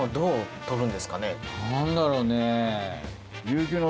何だろうね？